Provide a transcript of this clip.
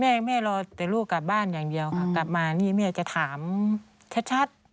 แม่แม่รอแต่ลูกกลับบ้านอย่างเดียวค่ะกลับมานี่แม่จะถามชัด